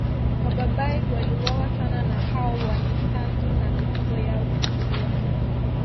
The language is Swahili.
Wabarbaig waliuawa sana na hao Wanyisanzu na mifugo yao kuchukuliwa